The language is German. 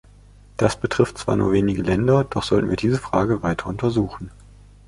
Das betrifft zwar nur wenige Länder, doch sollten wir diese Frage weiter untersuchen.